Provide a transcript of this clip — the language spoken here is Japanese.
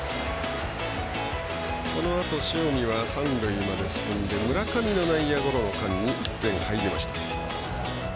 このあと塩見は３塁まで進んで村上の内野ゴロの間に１点入りました。